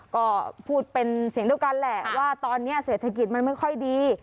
ก็พูดเป็นเสียงเดียวกันแหละว่าตอนนี้เศรษฐกิจมันไม่ค่อยดี